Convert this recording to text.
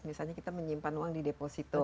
misalnya kita menyimpan uang di deposito